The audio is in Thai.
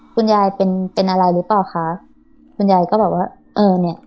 คุณยายเป็นเป็นอะไรหรือเปล่าคะคุณยายก็บอกว่าเออเนี้ย